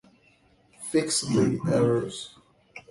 Fix the errors